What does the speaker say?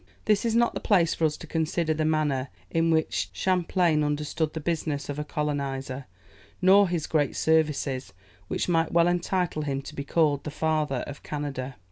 This is not the place for us to consider the manner in which Champlain understood the business of a colonizer, nor his great services, which might well entitle him to be called the father of Canada.